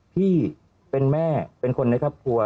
พี่เป็นแม่เป็นคนในครอบครัว